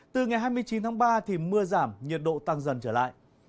từ ngày hai mươi chín tháng ba thì mưa giảm nhiệt độ tăng dần trở lại